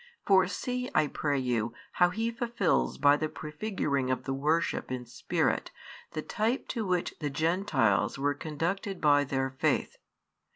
For see, I pray you, how he fulfils by the prefiguring of the worship in spirit the type to which the Gentiles were conducted by their faith.